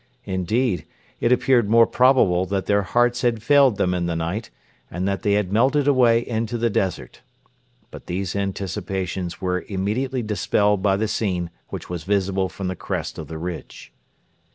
Indeed, it appeared more probable that their hearts had failed them in the night, and that they had melted away into the desert. But these anticipations were immediately dispelled by the scene which was visible from the crest of the ridge.